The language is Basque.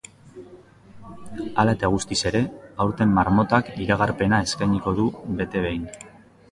Hala eta guztiz ere, aurten marmotak iragarpena eskainiko du bete behin.